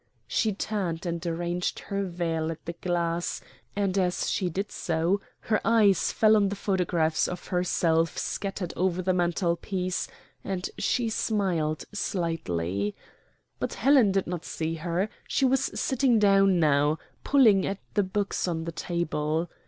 She turned and arranged her veil at the glass, and as she did so, her eyes fell on the photographs of herself scattered over the mantelpiece, and she smiled slightly. But Helen did not see her she was sitting down now, pulling at the books on the table.